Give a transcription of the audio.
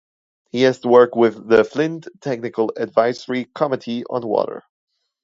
She has worked with the Flint Technical Advisory Committee on Water.